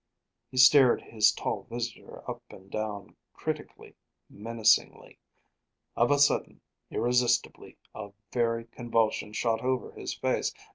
He stared his tall visitor up and down critically, menacingly. Of a sudden, irresistibly, a very convulsion shot over his face.